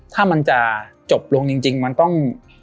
ถ้ามันจะจบลงจริงมันต้อง